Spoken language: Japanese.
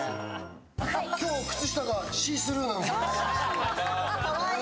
今日、靴下がシースルーなんですよ。